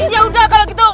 yaudah kalau gitu